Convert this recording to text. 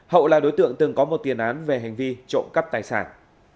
hậu là đối tượng từng có một tiền án về hành vi trộm cắp tài sản